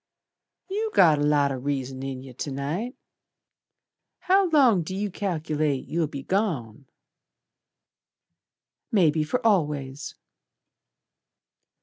"You got a lot o' reason in yer To night. How long d' you cal'late You'll be gone?" "Maybe for always."